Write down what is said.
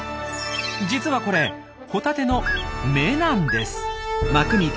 実はこれホタテの目なんです。